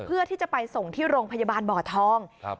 เพื่อที่จะไปส่งที่โรงพยาบาลบ่อทองครับ